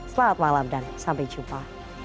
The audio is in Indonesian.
selamat malam dan sampai jumpa